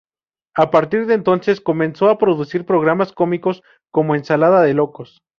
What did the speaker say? A partir de entonces comenzó a producir programas cómicos como "Ensalada de Locos".